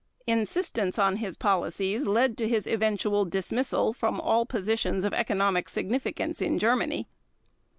Insistence on his policies led to his eventual dismissal from all positions of economic significance in Germany.